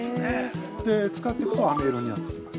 で、使ってくと、あめ色になってきます。